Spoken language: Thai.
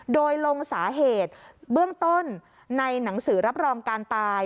โดยลงสาเหตุเบื้องต้นในหนังสือรับรองการตาย